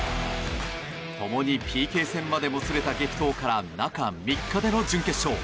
共にＰＫ戦までもつれた激闘から、中３日での準決勝。